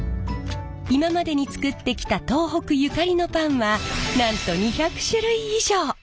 今までに作ってきた東北ゆかりのパンはなんと２００種類以上！